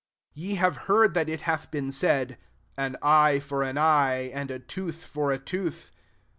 38 " Ye have heard that it hath been said, < An eye £or an eye, and a tooth for a tooth.'